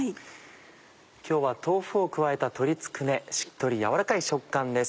今日は豆腐を加えた鶏つくねしっとりやわらかい食感です。